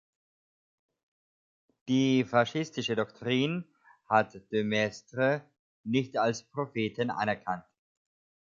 Die faschistische Doktrin hat De Maistre nicht als Propheten anerkannt.